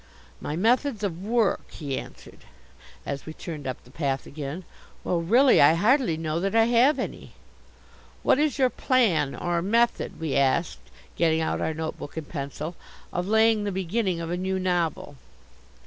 "My methods of work?" he answered, as we turned up the path again. "Well, really, I hardly know that I have any." "What is your plan or method," we asked, getting out our notebook and pencil, "of laying the beginning of a new novel?"